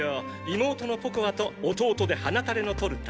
妹のポコアと弟で鼻たれのトルタ。